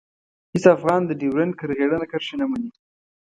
هېڅ افغان د ډیورنډ کرغېړنه کرښه نه مني.